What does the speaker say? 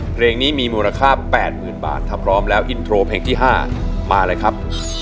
เพลงนี้มีมูลค่า๘๐๐๐บาทถ้าพร้อมแล้วอินโทรเพลงที่๕มาเลยครับ